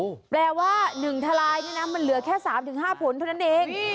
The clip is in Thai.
อู้แปลว่าหนึ่งทลายเนี่ยนะมันเหลือแค่สามถึงห้าผลเท่านั้นเอง